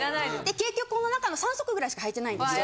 結局この中の３足ぐらいしかはいてないんですよ。